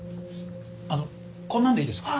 あのこんなんでいいですか？